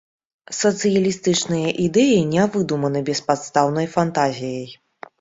Сацыялістычныя ідэі не выдуманы беспадстаўнай фантазіяй.